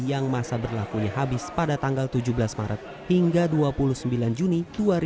yang masa berlakunya habis pada tanggal tujuh belas maret hingga dua puluh sembilan juni dua ribu dua puluh